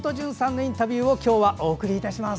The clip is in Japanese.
インタビューをお送りいたします。